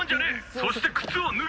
そして靴を脱げ！